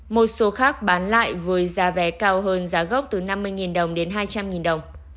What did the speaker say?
một số khác bán lại với giá vé cao hơn giá gốc từ năm mươi đồng đến hai trăm linh đồng